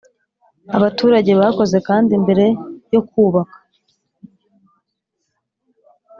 abaturage bakoze kandi mbere yo kubaka